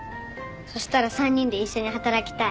そしたら３人で一緒に働きたい。